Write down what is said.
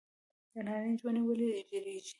د نارنج ونې ولې ژیړیږي؟